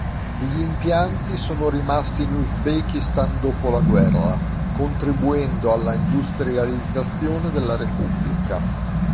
Gli impianti sono rimasti in Uzbekistan dopo la guerra, contribuendo alla industrializzazione della repubblica.